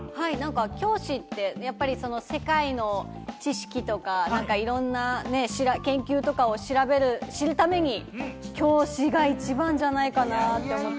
教師ってやっぱり世界の知識とか、いろんな研究とかを調べる、知るために教師が一番じゃないかな？って思って。